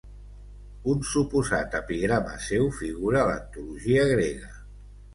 Un suposat epigrama seu figura a l'antologia grega.